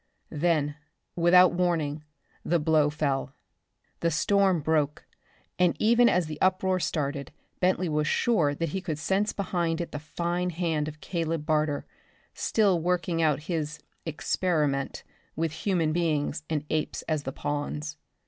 Then, without warning, the blow fell. The storm broke, and even as the uproar started Bentley was sure that he could sense behind it the fine hand of Caleb Barter still working out his "experiment," with human beings and apes as the pawns.